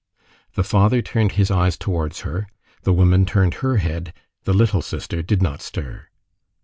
The father turned his eyes towards her, the woman turned her head, the little sister did not stir.